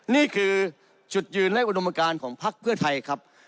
นี่คือจุดยืนและอุดมการของภักดิ์เพื่อไทยครับ